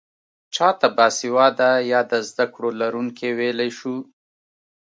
چا ته باسواده يا د زده کړو لرونکی ويلی شو؟